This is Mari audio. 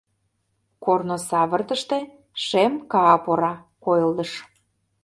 Корно савыртыште шем капора койылдыш.